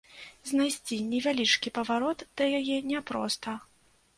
Знайсці невялічкі паварот да яе няпроста.